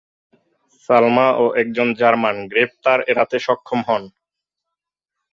সালামা ও একজন জার্মান গ্রেপ্তার এড়াতে সক্ষম হন।